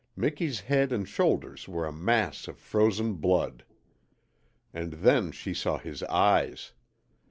Miki's head and shoulders were a mass of frozen blood. And then she saw his eyes.